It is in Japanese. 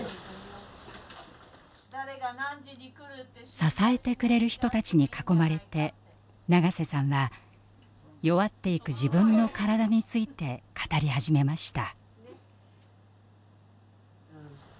支えてくれる人たちに囲まれて長瀬さんは弱っていく自分の体について語り始めました。